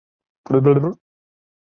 金毛鼹属等之数种哺乳动物。